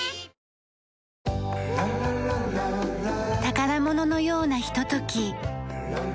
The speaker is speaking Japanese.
宝物のようなひととき。